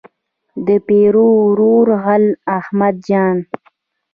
د پیرو ورور غل احمد جان.